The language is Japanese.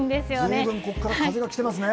ずいぶんここから風が来てますね。